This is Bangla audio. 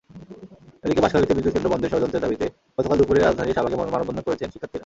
এদিকে বাঁশখালীতে বিদ্যুৎকেন্দ্র বন্ধের ষড়যন্ত্রের প্রতিবাদে গতকাল দুপুরে রাজধানীর শাহবাগে মানববন্ধন করেছেন শিক্ষার্থীরা।